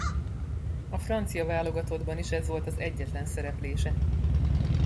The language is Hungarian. A francia válogatottban is ez volt az egyetlen szereplése.